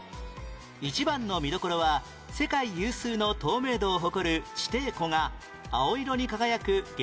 一番の見どころは世界有数の透明度を誇る地底湖が青色に輝く幻想的な景観